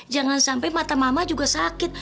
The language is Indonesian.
jangan sampai mata mama juga sakit